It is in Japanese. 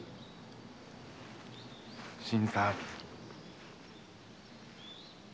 新さん。